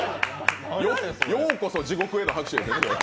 ようこそ地獄への拍手ですよ。